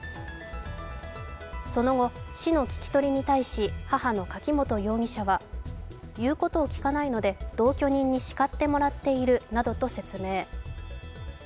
その後、市の聞き取りに対し母の柿本容疑者は言うことを聞かないので同居人に叱ってもらっているなどと説明。